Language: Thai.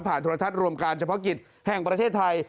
โทรทัศน์รวมการเฉพาะกิจแห่งประเทศไทย